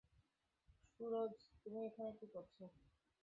সুরজ তুমি এখানে কি করছ?